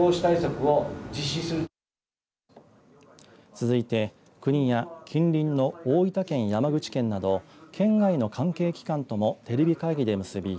続いて、国や近隣の大分県山口県など県外の関係機関ともテレビ会議で結び